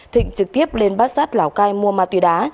thịnh trực tiếp lên bát sát lào cai mua ma túy đá